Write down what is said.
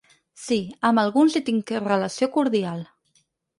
Sí, amb alguns hi tinc relació cordial.